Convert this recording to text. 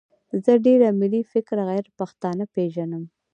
زه ډېر ملي فکره غیرپښتانه پېژنم.